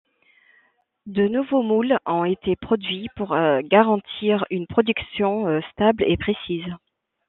De nouveau moules ont été produits pour garantir une production stable et précise.